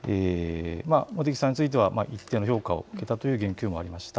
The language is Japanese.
茂木さんについては一定の評価を得たという意見もありました。